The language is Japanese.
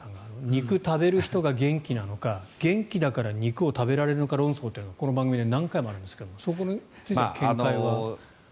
肉食べる人が元気なのか元気だから肉を食べられるのか論争がこの番組で何回もあるんですけどそれについての見解は？